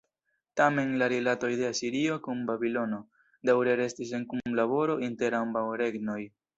Tamen, la rilatoj de Asirio kun Babilono, daŭre restis en kunlaboro inter ambaŭ regnoj.